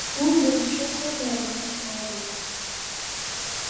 Бул боюнча сот аягына чыга элек.